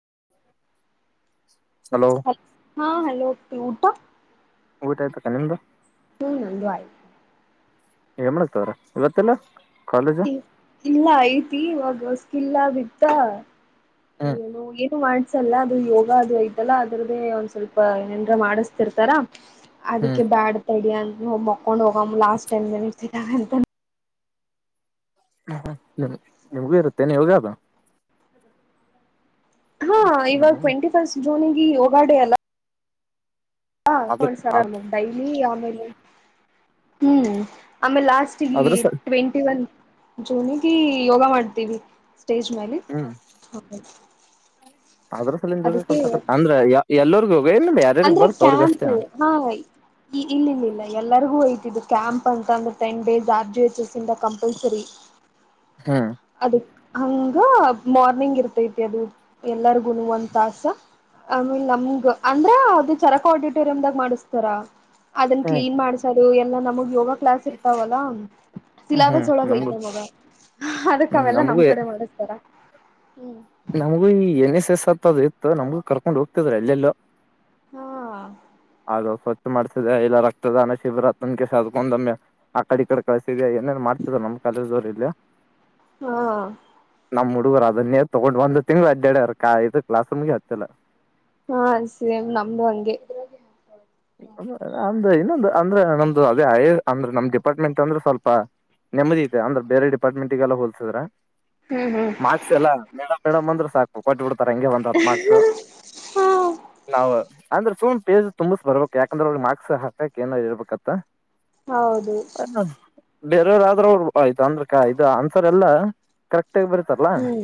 [inaudible] ಹಾ ಹಲೋ ಅಪ್ಪಿ ಊಟ ಊಟ ಆಯ್ತಕ್ಕ ನಿಮ್ದು ಹ್ಮ್ ನಂದು ಆಯ್ತು [unintelligible] ಇವತ್ತಿಲ್ಲ ಇಲ್ಲ ಐತಿ ಇವಾಗ ಹೊಸ್ಕಿಲ್ಲ ಬಿತ್ತ ಹ್ಮ್ ಏನೋ ಏನು ಮಾಡ ಎಲ್ಲ ಅದು ಯೋಗ ಅದು ಇದ್ದಲ್ಲ ಅದ್ರದ್ದೇ ಒಂದು ಸ್ವಲ್ಪ ಏನರ ಮಾಡಿಸ್ತಿರ್ತಾರಾ ಹ್ಮ್ ಅದಕ್ಕೆ ಬ್ಯಾಡ್ ತಡಿ ಅಂತ ಮಕೊಂಡ್ ಹೋಗಮ್ಮ ಲಾಸ್ಟ್ ಟೈಮ್ ಏನ್ ಇರ್ತಂತ ಹ್ಮ್ ಹ್ಮ್ ನಿಮಗೂ ಇರುತ್ತೆನು ಯೋಗ ಅದು ಹಾ ಇವಾಗ ಟ್ವೆಂಟಿ ಫಸ್ಟ್ ಜೂನ್ಗೆ ಯೋಗ ಡೇ ಅಲ್ಲ ಹಾ ಅದ್ರ ಕೊಂಡ ಸರ ಡೈಲಿ ಆಮೇಲೆ [inaudible] ಹ್ಮ್ ಆಮೇ ಲಾಸ್ಟ್ಗ ಅದ್ರ ಸ ಟ್ವೆಂಟಿ ಒನ್ ಜೂನ್ಗೆ ಯೋಗ ಮಾಡ್ತೀವಿ ಸ್ಟೇಜ್ ಮೇಲೆ ಹ್ಮ್ [inaudible] ಹಾ ಅದ್ರ ಸಲುವಾಗಿ [unintelligible] ಅಂದ್ರೆ ಎಲ್ಲರಿಗೂ ಅಂದ್ರೆ ಕ್ಯಾಂಪು ಹಾ ಇಲ್ಲಿ ಇಲ್ಲ ಇಲ್ಲ ಎಲ್ಲರಿಗೂ ಅಯ್ತೆ ಇದು ಕ್ಯಾಂಪ್ ಅಂತ ಅಂದ್ರೆ ten days R G H S ಇಂದ ಕಂಪಲ್ಸರಿ ಹ್ಮ್ ಅದು ಹಂಗ ಮಾರ್ನಿಂಗ್ ಇರ್ತೈತಿ ಅದು ಎಲ್ಲರಿಗುನು ಒಂದು ತಾಸ ಆಮೇಲೆ ನಮ್ಗ ಅಂದ್ರ ಅದು ಚರಕ ಆಡಿಟೋರಿಯಮ ದಾಗ ಮಾಡಿಸ್ತಾರ ಅದನ್ನ ಹ್ಮ್ ಕ್ಲೀನ್ ಮಾಡಸೋದು ಎಲ್ಲಾ ನಮಗ್ ಯೋಗ ಕ್ಲಾಸ್ ಇರ್ತಾವಲ್ಲ ಹ್ಮ್ ಸಿಲಾಬಸ್ ಒಳಗ ನಮಗೂ ಐಟ್ಲ ಮಗ ಅದಕ್ಕ ಹ್ಮ್ ಅವೆಲ್ಲ ನಮ್ ನಮಗೂ ಕಡೆ ಮೂಡಿಸ್ತಾರ ಹ್ಮ ನಮಗೂ ಈ ಎನ್ ಎಸ್ ಎಸ್ ಅತ್ದ ಇತ್ತು ನಮ್ಗೂ ಕರ್ಕೊಂಡ್ ಹೋಗ್ತಿದ್ರ ಎಲ್ಲೆಲ್ಲೋ ಹ್ಮ ಅದು ಸ್ವಚ್ಛ ಮಾಡ್ಸಿದೆ ಇಲ್ಲ ರಕ್ತದಾನ ಶಿಬಿರ ತನ್ ಕೆಸಕೊಂಡಮ್ಮೆ ಆ ಕಡೆ ಈ ಕಡೆ ಕಳ ಏನೇನ್ ಮಾಡ್ತಿದ್ ನಮ್ಮ್ ಕಾಲೇಜ್ವರು ಇಲ್ಲ ಹಾ ನಮ್ಮ್ ಹುಡುಗರು ಅದನ್ನೇ ತೊಗೊಂಡ್ ಒಂದು ತಿಂಗ್ಗಳು ಅ್ಡ ಇದು ಕ್ಲಾಸ್ಮಗೆ ಹತ್ತಲ್ಲ ಹಾ ಸೇಮ್ ನಮ್ದು ಹಂಗೆ ಅಂದ ಇನ್ನೊಂದು ಅಂದ್ರೆ ನಮ್ದು ಅದೇ ಅಂದ್ರೆ ನಮ್ ಡಿಪಾರ್ಟ್ಮೆಂಟ್ ಅಂದ್ರೆ ಸ್ವಲ್ಪ ನೆಮ್ಮದಿಐತೆ ಅಂದ್ರ ಬೇರೆ ಡಿಪಾರ್ಟ್ಮೆಂಟಿಗೆಲ್ಲ ಹೋಲ್ಸಿದ್ರ ಹ್ಮ್ ಹ್ಮ್ ಮಾರ್ಕ್ಸ್ ಯಲ್ಲ ಮೇಡಮ್ ಮೇಡಮ್ ಅಂದ್ರೆ ಸಾಕು ಕೊಟ್ಟಬಡ್ತ ಹೆಂಗೆ ಒಂದ್ ಹ ಮಾರ್ಕ್ಸ್ ಹಾ ನಾವು ಅಂದ್ರೆ ಸು ತುಂಬ ಬರ್ಬೇಕಕ್ ಯಾಕಂದ್ರೆ ಅವ್ರ ಮಕ್ಸ್ ಹಾಕಕ್ ಏ ಇರ್ಬೇಕಂತ ಹೌದು ಬೇರೆಯವ್ರಅವರು ಆ್ತ ಅಂದ್ರಕ ಇದು ಅಂತರೆ ಎಲ್ಲಾ ಕರೆಕ್ ಷ್ಟ ಬರುತ್ತಾರಲ್ಲ ಹ್ಮ್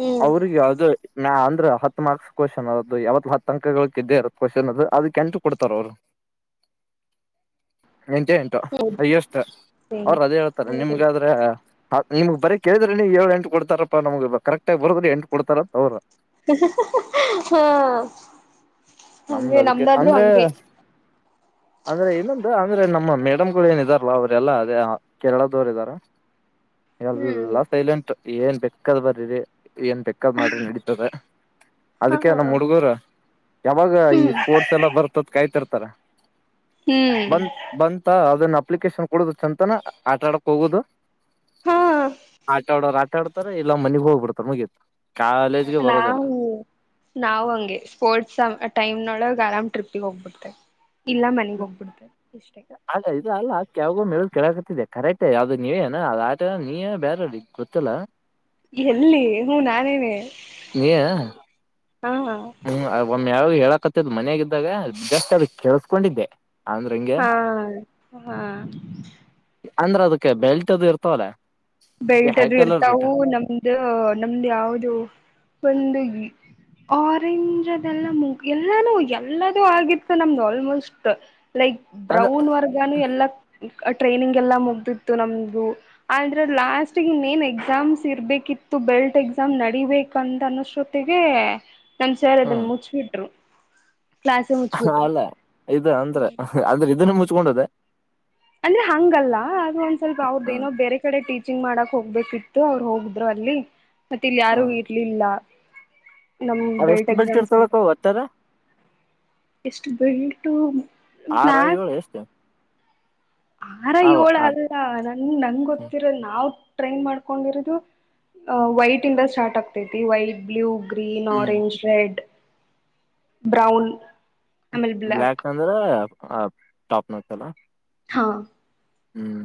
ಹ್ಮ್ ಅವ್ರಿಗೆ ಯಾವ್ದೋ ನ ಅ್ರ ಹ ಮಾರ್ಕ್ಸ್ ಕ್ವಶ್ನ್ ಅದದು ಯಾವತ್ ಹ ಅಕಗಳ ಇದ ಇ ಕ್ವಶ್ನ್ ಅದು ಅದಕ್ಕೆ ಕೆಂಟು ಕೊಡ್ತಾರ ಅವರು ಎಂಟೇ ಎಂಟು ಅಯ್ಯೋ ಅಷ್ಟ ಸರಿ ಅವ್ರ ಅದೇ ಹೇಳ್ತಾರೆ ಹ್ಮ್ ನಿಮ್ಗಾದ್ರೆ ನಿಮ್ ಬರಿ ಕೇಳಿದ್ರೆ ನೀವುಏಳ್ ಎಂಟ ಕೊಡ್ತಾರಪ್ಪ ನಮಗೆ ಕಕ್ಟಗಿ ಬರದ್ರ ಎಂಟು ಕೊಡ್ತಾರ ಅಂತ ಅವ್ರ ಹ ಹಂ ನಮ್ದ್ ಅದಕ್ಕೆ ನಮ್ದಾದ್ರು ಅಂದ್ರೆ ಹಂಗೆ ಅಂದ್ರೆ ಇನ್ನೊಂದು ಅಂದ್ರೆ ನಮ್ಮ ಮೇಡಮ್ಗಳು ಏನಿದಾರಲ್ಲ ಅವ್ರೆಲ್ಲಾ ಅದೇ ಕೇರಳದವರು ಇದಾರ ಹ್ಮ್ ಎಲ್ಲಾ ಸೈಲೆಂಟ್ ಏನ್ ಬೆಕ್ಕಾದ್ ಬರರಿ ಏನ್ ಬೆೆಕ್ಕದ್ ಮಾಡ್ರಿ ನಡತದೆ ಹಾ ಅದಕ್ಕೆ ಹಾ ನಮ್ಮ್ ಹುಡುಗರ ಯಾವಾಗ ಈ ಹ್ಮ್ ಸ್ಪೋರ್ಟ್ಸ್ ಎಲ್ಲ ಬರ್ತದ ಕಾಯ್ತಿರ್ತಾರ ಹ್ಮ್ ಬಂತತ್ ಬಂತ ಅದನ್ನ ಅಪ್ಲಿಕೇಶನ್ ಕೊಡುದು ಚಛಂತಾನ ಆಟ ಆಡಕ್ ಹೋಗೋುದು ಹಾ ಆಟ ಆಡೋರು ಆಟ ಆಡ್ತಾರ ಇಲ್ಲ ಮನೆಗ್ ಹೋಗ್ಬಿಡ್ತಾರ ಮುಗಿಯತ ನಾ್ ನಾವು ಹಂಗೆ ಸ್ಪೋರ್ಟ್ಸ್ ಟೈಮ್ನೊಳಗೆ ಆರಾಮ್ ಟ್ರಿಪ್ಪಿಗೆ ಹೋಗ್ಬಿಡ್ತೆೆ [unintelligible] ಅಲ್ಲ ಇದದು ಅಲ್ಲ ಅಕ ಯಾವಾಗೋ ಮ ಕೆೇಳಕ ದೆ ಕರೆಕ್ಟ್ ಯಾವ್ದದು ನೀವೇನ ಅ ಆಟ ನೀಯೇ ಬೇರೆ ಗೊತ್ತಲ್ಲ ಎಲ್ಲಿ ಹ್ಮ ನಾನೇನೆ ನೀ ಹಾ ಹ್ಮ ನ ಯಾವು ಹೇಳಕತ್ತದ್ ಮನಯಾಗಿದ್ದ್ದಾಗ ಜಸ್ಟ್ ಅದು ಕೇಳಿಸಕೊಂಡಿದ್ದೆ ಹಾ ಹಾ ಅಂದ್ರ ಅದಕ್ಕೆ ಬೆಲ್ಟ್ ಅದು ಇರ್ತವಲ್ಲ ಹೈ ಬೆಲ್ಟದ ಕಲರ್ ಬೆಲ್ಟ್ ಇರ್ತವು ನಮ್ದ ನಮ್ದ್ ಯಾವ್ದ ಒಂದು ಆರೆಂಜ್ ಅದೆಲ್ಲ ಮುಗ ಎಲ್ಲಾನು ಎಲ್ಲದೂ ಆಗಿತ್ತು ನಮ್ದು ಆಲ್ಮೋಸ್ಟ್ ಲೈಕ್ ಅಂದ್ರ ಬ್ರೌನ್ ವರ್ಗನು ಎಲ್ಲ ಟ್ರೈನಿಂಗ್ ಎಲ್ಲ ಮುಗ್ದಿತ್ತು ನಮ್ದು ಲಾಸ್ಟ್ಗ ಇನ್ನೇನ್ ಎಕ್ಸಾಮ್ಸ್ ಇರ್ಬೇಕಿತ್ತು ಬೆಲ್ಟ್ ಎಕ್ಸಾಮ್ ನಡೀಬೇಕಂತ ಅನ ಜೊತೆಗೆ ನನ್ [unintelligible] ಸಾರ್ ಅದನ್ನ ಮುಚ್ಬಿಟ್ರು ಕ್ಲಾಸೆ ಹ ಮುಚ್ಬಿಟ್ರು ಅಲ್ಲ ಇ ಅಂದ್ರ ಅಂದ್ರೆ ಇದನ್ನ ಮುಚ್ಕೊಂಡದ ಅಂದ್ರೆ ಹಂಗಲ್ಲ ಆದ್ರ ಒಂದ್ ಸ್ವಲ್ಪ ಅವ್ರದ್ದ ಹ್ಮ ಏನೋ ಬೇರೆ ಕಡೆ ಟೀಚ್ ಚಿಂಗ್ ಮಾಡಕ್ ಹೋಗ್ಬೇಕಿತ್ತು ಅವ್ರು ಹೋಗದ್ರು ಅಲ್ಲಿ ಮತ್ತೆ ಇಲ್ಲಿ ಯಾರು ಹ್ಮ್ ಇರ್ಲಿಲ್ಲ ನಮ್ಮ ಅವ ಬೆಲ್ಟ್ ಎಷ್ಟು ಎಕ್ಸಾಮ್ಸ್ ಇರ್ತಳಕ ಒಟ್ಟಾರ ಎಷ್ಟು ಬಿಲ್ಟು ಆರ ಬ್ಲಾಕ್ ಏಳು ಎಷ್ಟು ಆರ ಅವ ಯೋಳ ಅಲ್ಲ ನನ್ ನಂಗ್ ಗೊತ್ತಿರ ನಾವ್ ಟ್ರೈನ್ ಮಾಡ್ಕೊಂಡಿರೋದು ವೈಟ್ ಇಂದ ಸ್ಟಾರ್ಟ್ ಆಗ್ತೈತಿ ವೈಟ್ ಬ್ಲಯೂ ಗ್ರೀನ್ ಹ್ಮ್ ಆರೆಂಜ್ ರೆಡ್ ಬ್ರೌನ್ ಬ್ಲ್ಯಾಕ್ ಅಂದ್ರೆ ಆ ಟಾಪ್ನಗ್ತಲ್ಲ ಹಾ ಹ್ಮ್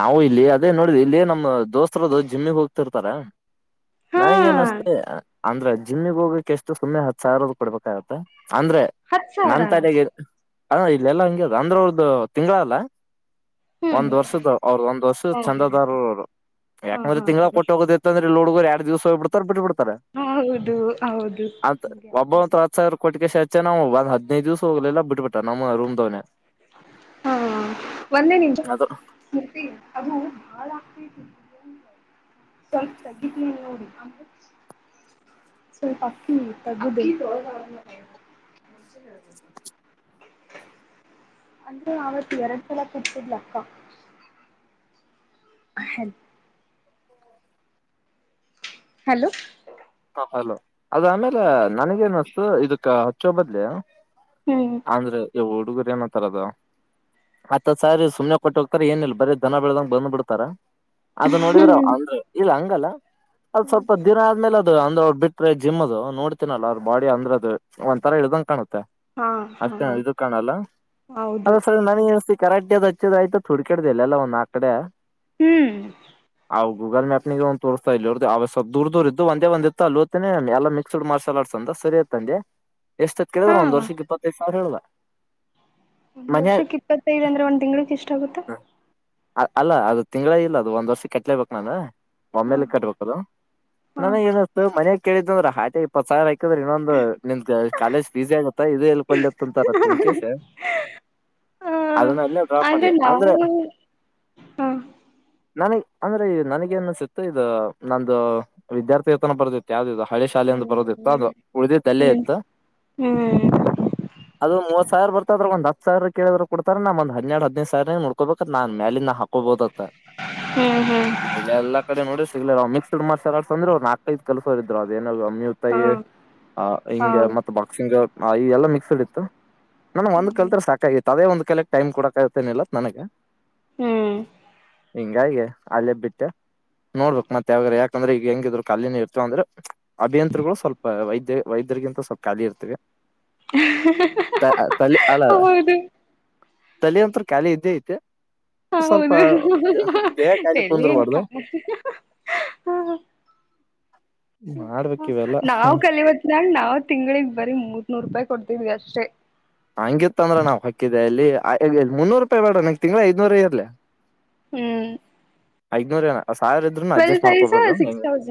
ನಾವು ಇಲ್ಲಿ ಅದೇ ನೋಡಿದ್ವಿ ಇಲ್ಲಿ ನಮ್ಮ ದೋಸ್ತತ್ರದು ಜಿಮ್ಮಿಗೆ ಹೋಗ್ತಿರ್ತಾರ. ಹಾ ನನೇಏನ್ಸ್ತೆ ಅಂದ್ರ ಜಿಮ್ಮಗ್ ಹೋಗಕ್ಕೆ ಎಷ್ಟು ಸುಮ್ಮನೆ ಹತ್ ಸಾವಿರ ಕೊಡ್ಬೇಕಾಗತ್ತ. ಅಂದ್ರೆ ಹತ್ತು ನನ್ ಸಾವಿರನ ತಲೆೆಗೆ ಹ ಇಲ್ಲೆಲ್ಲಾ ಹಂಗೆ ಅದ ಅಂದ್ರೆ ಅವರದ ತಿಂಗಳಲ್ಲ ಹ್ಮ್ ಒಂದ್ ವರ್ಷದ ಅವ್ರದ ಒಂದ್ ವರ್ಷ ಹ ಚಂದದಾರರು ಹಾ ಯಾಕಂದ್ರೆ ಹಾ ತಿಂಗಳ ಹಾ ಕೊಟ್ಟ ಹೋಗೋದತ್ತಂದ್ರೆ ಹೀಗಿಲ ಹುಡಗರ ಎರಡು ದಿವಸಯ ಹೋಗಿ ಬಿಡ್ತಾರೆ ಬಿಟ್ಟ ಬಿಡ್ ಹೌದು ಹೌದು ಅಂತ ಹಂಗೆ ಒಬ್ಬ ಒತ್ ಆಗ್ತೈತಿ ಹತ್ ಸಾವಿರ ಕೋಟಕ್ಕೆ ನಾವು ಒಂದ ಹದಿನೈದು ದಿವ್ಸ ಹೋಗ್ಲ್ಲ ಬಿಟ್ಟ ಬಿಟ್ಟ ನಮ್ಮ ರೂಮ್ ದವನೇ ಹಾ ಒಂದೇ ನಿಮಿಷ ಅದು ಅದು ಅಳ ಆಗ್ತತೇತಿ ಸ್ವಲ್ಪ ತಗಿತಿನಿ ನೋಡು ಸ್ವಲ್ಪ ಅಕ್ಕಿ ತಗದು ಅಕ್ಕಿ ತೋಳದ ಅದ ಮೇಲೆ ಅಂದ್ರೆ ಅವತ್ ಎರಡು ಸಲ್ ಕೊಟ್ಟಿದಲ ಅಕ್ಕ ಹ ಹೆಲ್ಪ್ ಹಲೋ ಹ ಹಲೋ ಅದ ಆಮೇಲೆ ನನಗೇನ್ ಅನಸ್ತು ಇದಕ್ಕ ಹಚ್ಚೋ ಬದ್ಲಿ ಹ್ಮ್ ಅಂದ್ರೆ ಯವು ಹುಡುಗರು ಏನೋಂತಾರ ಅದು ಹತ್ತಹತ್ತ್ ಸಾವಿರ ಸುಮನೆ ಕೊಟ್ಟ ಹೋಗ್ತಾರೆ ಏನ ಇಲ್ಲ ಬರೀ ದನ ಬೆಳದಗೆ ಬಂದ್ ಬಿಡ್ತಾರ ಅದು ನೋಡಿದ್ರೆ ಅಂದ ಇಲ್ಲ ಹಂಗಲ್ಲ ಅದು ಹ್ಮ್ ಸ್ವಲ್ಪ ದೀನ ಆದ್ಮೇಲೆ ಅಂದ್ ಅವ್ರು ಬಿಟ್ರೆ ಜಿಮ್ ಅದು ನೋಡ್ತೀನಲ್ಲ ಅವ್ರ ಬಾಡಿ ಅಂದ್ರದು ಒಂದ್ ತರ ಇ ಇಳದ್ದಂಗ ಕಾಣುತ್ತೆ ಹಾ ಹಾ ಅಷ್ಟೇ ಇದ ಕಾಣಲ್ಲ ಅ ಹೌದು ಸರಿ ನನಗೇನ್ ಅನಸತೇತಿ ಕರಾಟ್ಯದ್ ಹಚ್ಚಿದ್ ಆಯ್ತದ ಹುಡ್ಕಡಿದೆ ಅಲೇಲಿ ಒಂದ್ ನಾಕ್ ಕಡೆ ಹ್ಮ್ ಅವು ಗೂಗಲ್ ಮ್ಯಾಪ್ ನಿಗ ಒಂದ ತೋರ್ಸತಾ ಇದ್ದು ಅವ ದೂರ್ ದೂರ ಇದು ಒ ಒಂದಇತ್ತು ಅಲ್ಲೋತೇನೆ ಎಲ್ಲ ಮಿಕ್ಸ್ಡ್ ಮಾರ್ಷಲ್ ಆರ್ಸ್ ಅಂತ ಸರಿಯತಂಡಿ ಎಷ್ಟತ್ತ್ತೇಳಿದ್ರ ಹಾ ಒಂದ ವರ್ಷಕ್ಕೆ ಇಪ್ಪತ್ತೈದು ಸಾವಿರ ಹೇಳಿದ ಒಂದ್ ವರ್ಷಕ್ ಇಪ್ಪತ್ತೈದ ಅಂದ್ರೆ ಒಂದ್ ತಿಂಗಳಕ್ ಎಷ್ಟ ಆಗುತ್ತೆ. ಅ ಅಲ್ಲ ಅದು ತಿಂಗಳ ಇಲ್ಲ ಅದು ಒಂದ್ ವರ್ಷ ಕಟ್ಲೇಬೇಕ್ ನಾನ ಹಾ ಒಮ್ಮೇಲಿ ಕಟ್ಬೇಕ ಅದು. ಹಾ ನಾನ ಏನ ಮನೆಗ್ ಕೇಳಿದ್ಂದ್ರೆ ಹಾಟ್ ಇಪ್ಪತ್ ಸಾವಿರ ಆ ಆ್ರ ಇನ್ನೊಂದು ನಿಮ ಕಾಲೇಜ್ ಫೀಸೇ ಆಗತ್ತಾ ಇದು ಇಳ್ಕೊಳ್ಳತ್ ಅಂತಾರ ಇನ್ ಕೇಸ್ ಹ ಅದನ್ನೆಲ್ಲ ಡ್ರಾಪ್ ಆದ್ರೆ ಮಾಡಿದೆ ನಾವು ಅಂದ್ರೆ ಹ ನನ ಅಂದ್ರೆ ನನಗೇನ್ ಅನ್ಸತ್ತು ಇದು ನಂದು ವಿದ್ಯಾರ್ಥಿ ವೇತನ ಬರ್ದಿತ್ತು ಯಾವ್ದದು ಹಳೆ ಶಾಲೆ ಒಂದು ಹ್ಮ್ ಬರೋದಿತ್ತ ಅದು ಹ್ಮ್ ಉಳ್ದಿದ ಅಲ್ಲೆ ಹ್ಮ್ ಇತ್ತು. ಹ್ಮ್ ಹ್ಮ್ ಅದು ಮೂವತ್ ಸಾವಿರ ಬರ್ತದ ಒಂದ್ ಹತ್ತ ಸಾವಿರ ಕೇಳ್ರರು ಕೊಡ್ತರನ ಒಂದ ಹನ್ನೆಡ ಹದಿನೈದ ಸಾವಿರನ ನಡ್ಕೋಬೇಕಕ್ ನ ಮೇಾಲಿನಾ ಹಾಕ್ ಹಕೋಬಹದತ್ತ ಹ್ಮ್ ಇ ಎಲ್ಲಾ ಕಡೆ ನೋಡಿ ಸಿಗ್ಲಿಲ್ಲ ಮಿಕ್ಸ್ಡ್ ಮಾರ್ಸಲ್ ಅಂದ್ರೆ ಅವ್ ನಾಕೈಐದ ಕೆಲಸವರ ಇದ್ರು ಅದೇನ ಅಮ್ಮಿ ಹಾ ತಾಯಿ ಅ ಹಾ ಹಿಂಗ ಮತ್ತ ಬಾಕ್ಸಿಂಗ್ ಹ ಇ ಎಲ್ಲ ಮಿಕ್ಸ್ಡ್ ಇತ್ತು ನಮಗೆ ಒಂದ್ ಹ್ಮ್ ಕಲ್ತ್ರ ಸಾಕಾಗಿತ್ತು ತದೇ ಒಂದ್ ಕಲೆಕ್ ಟೈಮ್ ಕೊಡಕ ಆಗತೇನಿಲ್ಲತ್ ನನಗ ಹ್ಮ್ ಹಿಂಗಾಗಿ ಅಲ್ಲಿಬ್ಬಟ್ಟೆ ನೋಡ್ಬೇಕ್ ಮತ್ತೆ ಯಾವಾಗ್ರ ಯಾಕಂದ್ರೆ ಈಗ ಹೆಂಗಿದ್ರು ಖಾಲನ ಇರ್ತವ ಅಂದ್ರ ಅಭಿಯಂತ್ರರುಗಳು ಸ್ವಲ್ಪ ವೈದ್ಯ ವೈದ್ಯರಿಗಿಂತ ಸ್ವಲ್ ಖಾಲಿ ಇರ್ತವೆ ತಲೆ ಅಲ್ಲ ಹೌದು ತಲೆ ಒಂತ ಖಾಲಿ ಇದ್ದೇ ಐತೆ ಸ್ವಲ್ಪ ಹೌದು ದೇಹಕಾಲಿ ಕುಂದರು ತಲೆಯನ್ ಬಾಡ್ದ ಕ ಹ ಮಾಡ್ಬೇಕ್ ಇವೆಲ್ಲ ನಾವ್ ಕಲಿವತ್ ನ ನಾವ್ ಅ ತಿಂಗಳಿಗೆ ಬರೀ ಮೂರ್ನೂರು ರೂಪಾಯಿ ಕೊಡ್ತಿದ್ವಿ ಅಷ್ಟೇ. ಹಂಗಿತ್ತ ಅಂದ್ರ ನಾವ್ ಹೊಕಿದ್ದೆ ಅಲ್ಲಿ ಮುನ್ನೂರು ರೂಪಾಯಿ ಬೇಡ ನಂಗ್ ತಿಂಗಳ ಐದನೂರು ಇರ್ಲಿ ಹ್ಮ್ ಐದ್ನೂರ ನ ಟ್ವೆಲ್ ೈವ ಸಿಕ್ಸ್ ತೌಸ್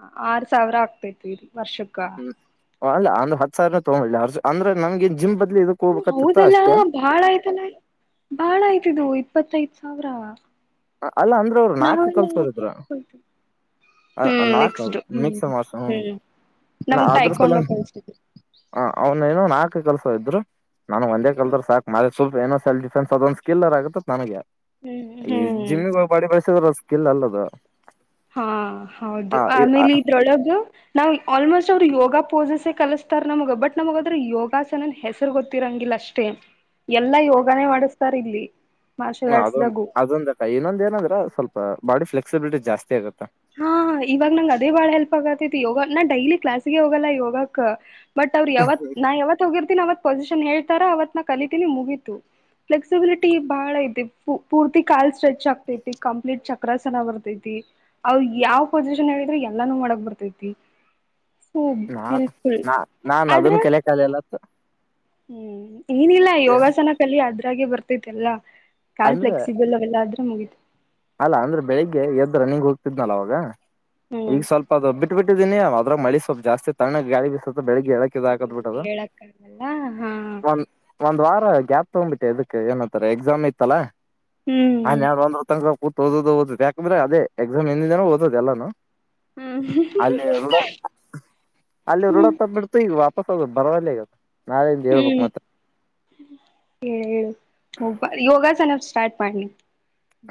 ಹ ಆರು ಸಾವಿರ ಆಗ್ತೇತ್ರಿ ವರ್ಷಕ್ಕ ಅಂದ್ರ ಹ ಸಿರನ ತಗೊಂಡಿಿಲ್ಲ ಅರ್ ಅ್ರ ನಮಗೆ ಜಿಂಪ್ ಹೌದಲ್ಲ ಬಾಳ ಆಯ್ತಲ್ಲ ಬಾಳ ಆಯ್ತಿದು ಇಪ್ಪತ್ತೈದ ಸಾವಿರ ಅಲ್ಲ ಅಂದ್ರ ಅವರು ನಾಲ್ಕ ನಾವೆಲ್ಲ ಯಾಕ್ ಕಲ್ಸೋರಿದ್ರ ತಕೊಳ್ತೀವಿ. ಹ ಹ್ಮ್ ನಾಕ ಮಿಕ್ಸ್ಡ್ ಮಿಸ ಮೋಸ ಹ್ಮ್ ನಾ ನಮಗ್ ಅ್ರ ಸಲ ಟೈಕೊಂಡ ಕಲ್ಸಿದ್ರು ಹ ಅವನ ಏನುೋ ನ ಕ ಕಲ್ಸೋ ಇದ್ರು ನಾನು ಒಂದೇ ಕಲ್ದರ್ ಸಾಕಕ್ ಸ್ವಲ್ಪ ಏನೋ ಸ ಫೆಂಡಸ್ ಅದೊಂದ್ ಸ್ಕಿಲ್ರ್ ಆಗತತ್ ನನಗೆ ಹ್ಮ್ ಈ ಹ್ಮ್ ಜಿಮ್ಮ ಬಾಡಿ ಬಯಸಿದ್ರ ಸ್ಕಿಲ್ ಅಲ್ಲದು ಹಾ ಹ ಹೌದು ಆಮೇಲೆ ಇದ್ರೊಳಗ ನಾವ್ ಆಲ್ಮೋಸ್ಟ್ ಅವ್ರು ಯೋಗ ಪೋಸಸೇ ಕಲಿಸಸ್ತಾರ ನಮಗ ಬಟ್ ನಮಗದ್ರೆ ಯೋಗಾಸನನ್ ಹೆಸರು ಗೊತ್ತಿರಂಗಿಲ್ಲ ಅಷ್ಟೇ ಎಲ್ಲಾ ಯೋಗಾನೇ ಮಾಡಿಸತಾರ್ ಇಲ್ಲಿ ಮಾರ್ಷಲ್ ಹ್ಮ ಅದೊಂದು ಆರ್ಟ್ಸ್ದಾಗು ಅದೊಂದ ಇನ್ನೊಂದ ನಂದ್ರ ಸ್ವಲ್ಪ ಬಾಡಿ ಫ್ಲೆಕ್ಸಿಬಿಲಿಟಿ ಜಾಸ್ತಿ ಆಗತ್ತಾ ಹಾ ಇವಾಗ ನಂಗ್ ಅದೇ ಬಾಳ ಹೆಲ್ಪ್ ಆಗತ್ತೈತಿ ಯೋಗ ನಾ ಡೈಲಿ ಕ್ಲಾಸ್ಗೆ ಹೋಗಲ್ಲ ಯೋಗಕ್ ಬಟ್ ಅವರು ಯಾವತ್ ನಾ ಯಾವತ್ ಹೋಗಿರ್ತೀನಿ ಅವತ್ ಪೊಸಿಷನ್ ಹೇಳ್ತಾರ ಅವವತ್ ನ ಕಲಿತೀನಿ ಮುಗೀತು ಫ್ಲೆಕ್ಸಿಬಿಲಿಟಿ ಬಹಳ ಐತಿ ಪೂರ್ತಿ ಕಾಲ್ ಸ್ಟ್ರೆಚ್ ಆಗ್ತೈತಿ ಕಂಪ್ಲೀಟ್ ಚಕ್ರಾಸನ ಬರ್ತೈತಿ ಅವ್ ಯಾವ್ ಪೊಸಿಷನ್ ಹೇಳಿದ್ರೆ ಎಲ್ಲಾನೂ ಮಾಡಕ್ ಬರ್ತೈತಿ ೂಬ್ ನಾ ಹೆಲ್ಪ್ಫುಲ್ ನಾ ನಾನ್ ಆದ್ರ ಅದನ್ ಕಲೆ ಕಾಲಲ್ಲತ್ ಹ್ಮ್ ಇಏನಿಲ್ಲ ಯೋಗಾಸನ ಕಲಿ ಆದ್ರೂ ೆ ಬರ್ತೈಲ್ಲ ಕಾನ್ ಅಂದ್ರೆ ಫ್ಲೆಕ್ಸಿಬಲ್ ಎಲ್ಲ ಆದ್ರೆ ಮುಗ ಅಲ್ಲ ಅಂದ್ರೆ ಬೆಳಿಗ್ಗೆ ಎದ್ರ ನೀಿಂಗ ಹೋಗ್ತಿದ್ನಲ್ಲ ಅವಾಗ ಈಗ ಹ್ಮ್ ಸ್ವಲ್ಪ ಅದು ಬಿಟ್ಟ ಬಿಟ್ ಬಿಟ್ಟಿದ್ದಿನನ ಅವ ಅದ ಮಳಿ ಸ್ಲ್ಪ ಜಾಸ್ ತ್ಣ ಗಳಿ ಸ್ಲ್ಪ ಬೆಳಿಗ್ಗೆ ಹೇಳಕ್ ಇ ಇದ ಹಾಕತ್ ಹ್ಮ್ ಬಿಟ್ಟದ ಹೇಳಕ್ಕ ಆಗಲ್ಲ ಹಾ ಒ ಒಂದ್ ವಾರ ಗ್ಯಾಪ್ ತಗ್ಬಿಟ್ಟೆ ಇದಕ್ ಏನಂತಾರೆ ಎಕ್ಸಾಮ್ ಇಐತ್ತಲ್ಲ ಹ್ಮ್ ಕೂ ಓದ ಓದ ಯಾಕಂದ್ರೆ ಅದೇ ಎಕ್ಸಾಮ್ ಎಿಂದಿನನ ಓದ ಎಲ್ಲಾನು ಹ್ಮ್ ಅಲ್ಲಿ ಹ್ಮ್ ಹ್ಮ್ ಅಲ್ಲಿ ೂಡತ್ತ ಬಿಿಡ್ತು ಈಗ ವಾಪ ಬರವಲ್ಲೆ ಆಗತ್ತೆ ಹ್ಮ್ ಹೇಳ ಹೇಳು ಹಬ ಯೋಗಾಸನ ಸಟ್ ಮಾಡಿ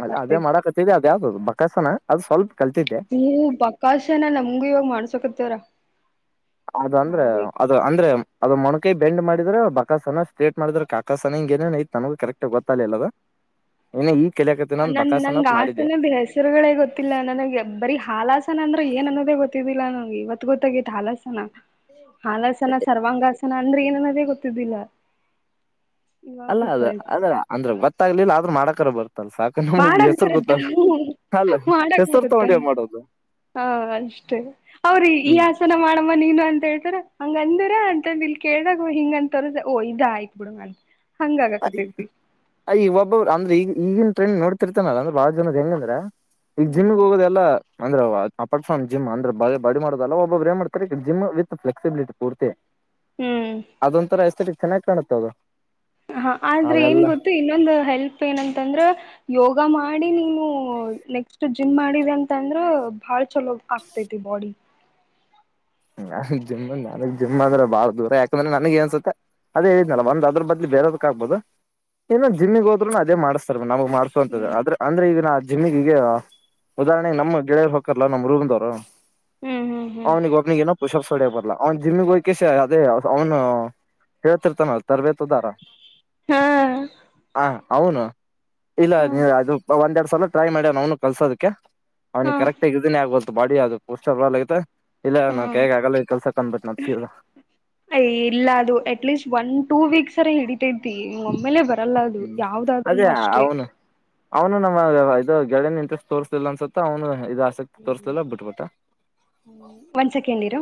ಅ ಅದೇ ಮಾಡಕತದೆ ಅದೇ ಅದು ಬಕಾಸನ ಅದು ಸ್ವಲ್ಪ ಕಲ್ತಿದ್ದೆ ಹ ಬಕಾಶಏನ ನಮಗು ಇವಾಗ ಮಾಡ್ಸಕತ್ತವ್ರ ಅದು ಅಂದ್ರೆ ಮಾಡ್ಬೇಕು ಅದು ಅಂದ್ರೆ ಅದು ಮೊಣಕೈ ಬೆಂಡ್ ಮಾಡಿದ್ರೆ ಬಕಾ ಸನ ಸ್ಟ್ರೇಟ್ ಮಾಡಿದ್ರೆ ಕಾಕಾ ಸನ ಹಿಂಗ ಏನ ಐತ್ ನನಗಗೆ ಕರೆಕ್ಟ್ ಆಗ ಗೊತ್ತಿಲ್ಲಲ್ಲ ಅದು ಹಲ್ಲ ನನ್ ನನ್ ಆಸನದ ಹೆಸರುಗಳೇ ಗೊತ್ತಿಲ್ಲ ನನಗೆ ಬರೀ ಹಾಲಾಸನ ಅಂದ್ರೆ ಏನ್ ಅನ್ನೋದೇ ಗೊತ್ತಿಲ್ಲ ನಗೆ ಇವತ್ತು ಗೊತ್ತಾಗತ್ತು ಹಾಲಸನ ಹಾಲಸನ ಸರ್ವಾಂಗ ನನ್ನ ಅಂದ್ರೆ ಏನನ್ನದೇ ಗೊತ್ತಿದ್ದಿಲ್ಲ ಇವಾಗ ಅಲ್ಲ ಅದ ಗೊತ್ತಾಯ್ತು ಅದ್ರ ಅಂದ್ರೆ ಗೊತ್ತಾಗ್ಲಿಲ್ಲ ಆದ್ರರು ಮಾಡಕರ ಬರ್ ಮಾಡಕ್ ಬರುತ್ತ ಅಲ್ಲ ಮಾಡಕ್ ಹೆಸರು ಬರುತ್ತ ತಗೊಂಡ್ ಏನ್ ಮಾಡೋದು ಹಾ ಅಷ್ಟೇ ಅವ್ರಿ ಈ ಹ್ಮ್ ಆಸನ ಮಾಡಮ್ಮ ನೀನು ಅಂತ ಹೇಳ್ತಾರ ಹಂಗ ಅಂದರ ಅಂತಂದ ಇಲ್ ಕೇಳಾಗ ಹಿಂಗ ಅಂತಾರ ಓ ಇದ ಆಯ್ತ್ ಬಿಡಂಗ ಅಂತ ಹಂಗ ಅಯ ಆಗಕತೈತಿ. ಅಯ್ ಒಬ್ಬರು ಅಂದ್ರೆ ಈಗ ಈಗನ್ ಟ್ರೆಂಡ್ ನೋಡ್ತಿರ್ತಾನಲ್ಲ ಅಂದ್ರೆ ಬಾಳ ಜನದ್ ಹೆಂಗಂದ್ರ ಈಗ ಹ್ಮ್ ಜಿಮಗ್ ಹೋಗೋದೆ ಎಲ್ಲಾ ಅಂದ್ರೆ ಅಪನ್ ಜಿಮ್ ಅಂದ್ರೆ ಬಡಿ ಮಾಡೋುದಲ್ಲ ಒಬ್ಬೊಬ್ರು ಏನ್ ಮಾಡ್ತಾರೆ ಜಿಮ್ ವಿತ್ ಫ್ಲೆಕ್ಸಿಬಿಲಿಟಿ ಪೂರ್ತಿ ಹ್ಮ್ ಅದೊಂಂತರ ಹೆಸರಿ ಚೆನ್ನಾಗಿ್ ಕಾಣುತ್ತ ಅದು ಹ ಆದ್ರೆ ಏನ್ ಅವೆಲ್ಲ ಗೊತ್ತು ಇನ್ನೊಂದು ಹೆಲ್ಪ್ ಏನಂತಂದ್ರ ಯೋಗ ಮಾಡ ಮಾಡಿ ನೀನು ನೆಕ್ಸ್ಟ್ ಜಿಮ್ ಮಾಡಿದೆ ಅಂತ ಅಂದ್ರ ಬಾಳ ಚಲೋ ಆಗ್ತತಿ ಬಾಡಿ ನಾಗ್ ಜಿಮ್ ನನಗ್ ಜಿಮ್ ಆದ್ರೆ ಬಾಳ ದೂರ ಯಾಕಂದ್ರೆ ನನಗ್ ನ್ಸುತ್ತ ಅದೇ ಹೇಳನಲ್ಲ ಹ್ಮ್ ಒಂದ ಅದ್ರ ಬದ್ಲಿ ಬೇರೆದಕ್ ಆಗ್ಬಹದು ಇಏನೋ ಜಿಮ್ಮಿಗ್ ಹೋದ್ೂ ಅದೇ ಮಾಡ್ತಾರ ನಮಗ್ ಮಾಡಸುವಂತದ ಹ್ಮ್ ಆದ್ರ ಅಂದ್ರೆ ಇದ ಜಿಮಗಗ ಉದಾಹರಣೆಗೆ ನಮ್ ಗೆಳೆಯರು ಹಕರ್ಲ್ಲ ನಮ್ಮ್ ರೂಮದವ್ರು ಹ್ಮ್ ಹ್ಮ್ ಹ್ಮ್ ಅವನಿಿಗೆ ಏನೋ ಪುಷಪ್ ಸಡ್ಯ ಬರ್ಲ್ಲ ಅವ್ನ್ ಜಿಮ್ಮಿಿಗೆ ಹೋಗಯಕಸ ಅದೇ ಅವ್ನು ಹೇಳ್ತಿರ್ತಾನ ತರಬೇತದಾರ ಹಾ ಹ ಹೌನು ಇಲ್ಲ ಹಾ ನೀ ಅದು ಒಂದ್ೆರಡ್ ಸಲ ಟ್ರೈ ಮಾಡಿವ್ ಅವ್ನು ಕಲ್ಸೋದಕ್ಕೆ ಹಾ ಅವ್ನಿಿಗೆ ಕರೆಕ್ಟ್ ಆಗ ಇದನೇ ಆಗಬೋದು ಬಾಡಿ ಅದು ಪೋಸ್ಲ್ ಆಗತೆ ಇಲ್ಲ ನಾ ಹಾ ಹೇಗ ಆಗಲ್ಲ ಕೆಲ್ಸ ಕಂದ್ಬಿಟ್ಟು ನ್ ಸೀರದ ಯ ಇಲ್ಲ ಅದು ಅಟ್ಲೀಸ್ಟ್ ಒನ್ ಟೂ ವೀಕ್ಸ್ರ ಹಿಡಿತ ಇತಿ ಒಮ್ಮೇಲೆ ಬರ್ ಲ್ಲ ಅದು ಯಾವದಾದ್ನು ಅದೇ ಅಷ್ಟೇ ಅವನು ಅವನು ನಮ್ಮ ಇದು ಳನ್ ಇಂಟ್ರೆಸ್ಟ್ ತೋರ್ಸಿಲ್ಲ ಅನ್ಸುತ್ತೆ ಅವನು ಇದು ಆಸಕ್ತಿ ಹ್ಮ ತೋರ್ಸ್ಲಿಲ್ಲ ಬಿಟ್ಬಿಟ್ಟ ಹ್ಮ ಒಂದ್ ಸೆಕೆಂಡ್ ಇರ